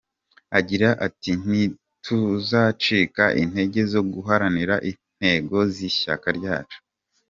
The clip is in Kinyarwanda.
Agira ati “Ntituzacika integer zo guharanira intego z’ishyaka ryacu.